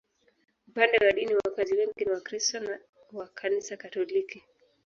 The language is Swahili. Upande wa dini, wakazi wengi ni Wakristo wa Kanisa Katoliki.